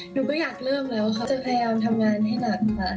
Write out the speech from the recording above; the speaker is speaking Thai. หนูก็อยากเริ่มแล้วเขาจะพยายามทำงานให้หนักค่ะ